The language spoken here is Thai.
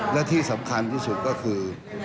และที่สำคัญที่สุดก็คือ